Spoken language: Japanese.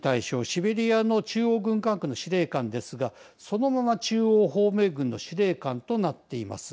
シベリアの中央軍管区の司令官ですがそのまま中央方面軍の司令官となっています。